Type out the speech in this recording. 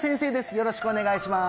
よろしくお願いします